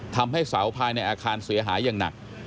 ทำให้เสาภายในอาคารเสียหายอย่างหนัก